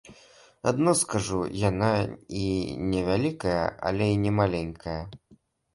Адно скажу, яна і не вялікая, але і не маленькая.